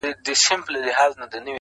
یو په ښار کي اوسېدی بل په صحرا کي!.